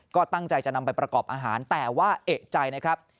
ก็ตั้งใจจะนำไปประกอบอาหารแต่ว่าเอกใจนะครับ